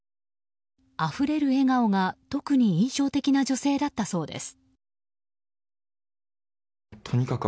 あふれる笑顔が特に印象的な女性だったそうです。